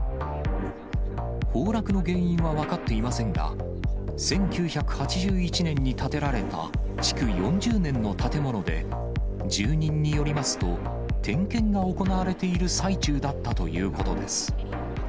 崩落の原因は分かっていませんが、１９８１年に建てられた、築４０年の建物で、住人によりますと、点検が行われている最中だったということです。